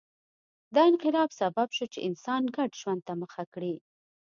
دا انقلاب سبب شو چې انسان ګډ ژوند ته مخه کړي